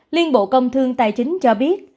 liên bộ công thương tài chính cho biết